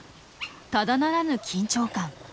ただならぬ緊張感。